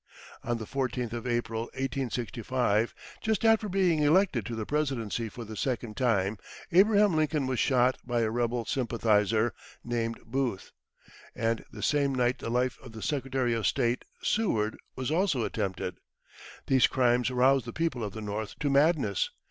On the 14th of April 1865, just after being elected to the Presidency for the second time, Abraham Lincoln was shot by a rebel sympathiser, named Booth. And the same night the life of the Secretary of State, Seward, was also attempted. These crimes roused the people of the North to madness.